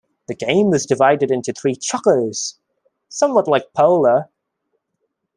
The game was divided into three "chukkers", somewhat like polo.